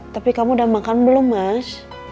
tapi kamu udah makan belum mas